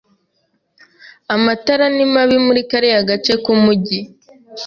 Amatara ni mabi muri kariya gace k'umujyi.